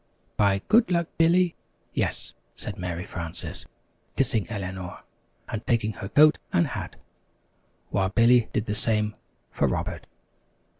"By good luck, Billy, yes," said Mary Frances, kissing Eleanor, and taking her coat and hat, while Billy did the same for Robert.